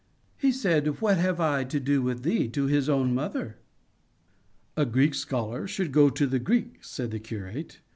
"He said What have I to do with thee to his own mother?" "A Greek scholar should go to the Greek," said the curate.